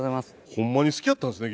ホンマに好きやったんですね